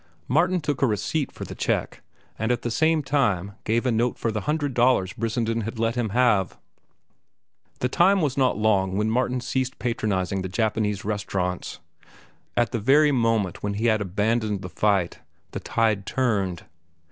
Martin took a receipt for the check, and at the same time gave a note for the hundred dollars Brissenden had let him have. The time was not long when Martin ceased patronizing the Japanese restaurants. At the very moment when he had abandoned the fight, the tide turned.